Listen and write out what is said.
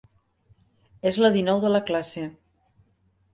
És la dinou de la classe.